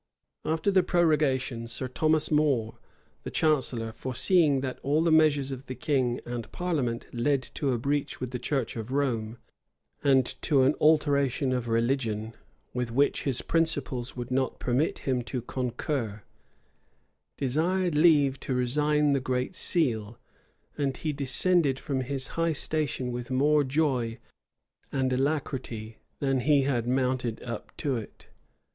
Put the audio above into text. []* Burnet, vol. i. p. 123, 124. Herbert. Hall, fol. 205. After the prorogation, Sir Thomas More, the chancellor, foreseeing that all the measures of the king and parliament led to a breach with the church of Rome, and to an alteration of religion, with which his principles would not permit him to concur, desired leave to resign the great seal; and he descended from his high station with more joy and alacrity than he had mounted up to it.